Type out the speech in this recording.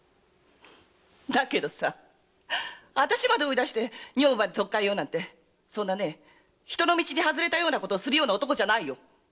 だけど私まで追い出して女房まで取っかえようなんてそんな人の道にはずれたようなことをする男じゃないよ！